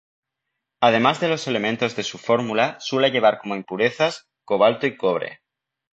Además de los elementos de su fórmula, suele llevar como impurezas: cobalto y cobre.